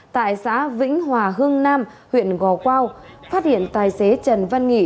tại xã vĩnh hòa hương nam huyện gò quao phát hiện tài xế trần văn nghệ